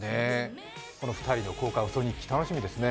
２人の「交換ウソ日記」楽しみですね。